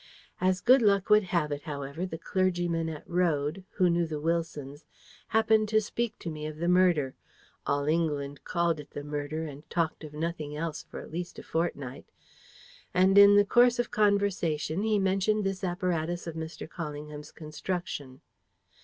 As good luck would have it, however, the clergyman at Wrode, who knew the Wilsons, happened to speak to me of the murder all England called it the murder and talked of nothing else for at least a fortnight, and in the course of conversation he mentioned this apparatus of Mr. Callingham's construction.